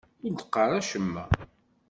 Ur d-qqaṛ acemma.